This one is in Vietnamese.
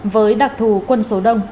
với đặc thù quân số đông